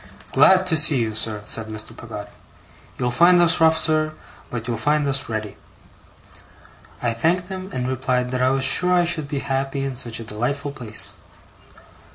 'Glad to see you, sir,' said Mr. Peggotty. 'You'll find us rough, sir, but you'll find us ready.' I thanked him, and replied that I was sure I should be happy in such a delightful place.